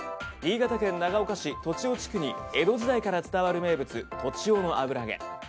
新潟県長岡市栃尾地区に江戸時代から伝わる名物栃尾の油揚げ。